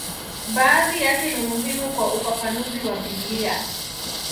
Baadhi yake ni muhimu kwa ufafanuzi wa Biblia.